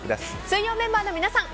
水曜メンバーの皆さん